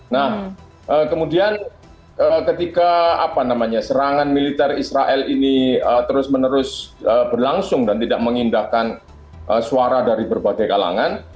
nah kemudian ketika serangan militer israel ini terus menerus berlangsung dan tidak mengindahkan suara dari berbagai kalangan